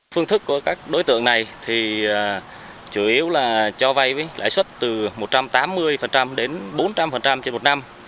phương thức của các đối tượng này thì chủ yếu là cho vay với lãi suất từ một trăm tám mươi đến bốn trăm linh trên một năm